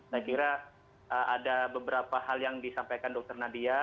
saya kira ada beberapa hal yang disampaikan dr nadia